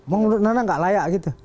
menurut mana gak layak gitu